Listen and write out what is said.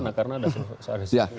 karena ada seharusnya